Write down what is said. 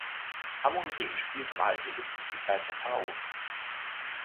Amun-Re spielt im alten Ägypten zur Zeit der Pharaonen.